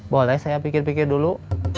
boleh saya pikir pikir dulu